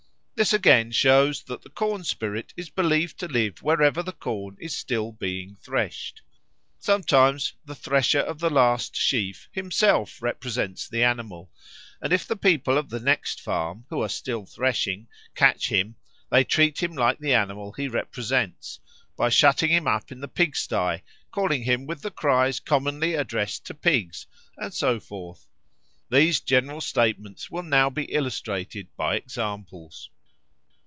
This again shows that the corn spirit is believed to live wherever the corn is still being threshed. Sometimes the thresher of the last sheaf himself represents the animal; and if the people of the next farm, who are still threshing, catch him, they treat him like the animal he represents, by shutting him up in the pig sty, calling him with the cries commonly addressed to pigs, and so forth. These general statements will now be illustrated by examples.